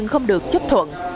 không được chấp thuận